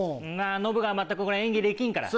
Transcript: ノブが全く演技できんから。